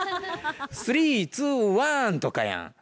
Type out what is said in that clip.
「スリーツーワン！」とかやん。